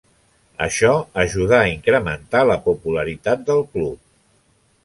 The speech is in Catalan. Això ajudà a incrementar la popularitat del club.